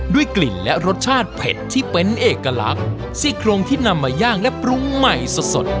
กลิ่นและรสชาติเผ็ดที่เป็นเอกลักษณ์ซี่โครงที่นำมาย่างและปรุงใหม่สดสด